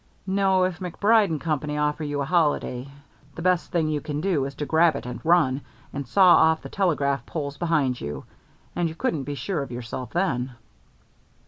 No, if MacBride & Company offer you a holiday, the best thing you can do is to grab it, and run, and saw off the telegraph poles behind you. And you couldn't be sure of yourself then."